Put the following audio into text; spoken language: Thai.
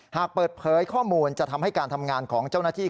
หากเปิดเผยข้อมูลจะทำให้การทำงานของเจ้าหน้าที่